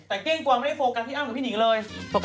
แต่เก้งกว่าไม่ได้โฟกัสพี่อ้ำกับพี่หนิงเลย